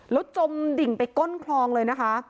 แล้วจมดิ่งไปก้นคลองเลยนะคะ